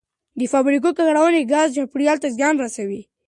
د فابریکو ککړونکي ګازونه چاپیریال ته زیان رسوي.